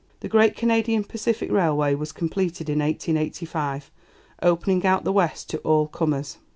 The great Canadian Pacific Railway was completed in 1885, opening out the West to all comers.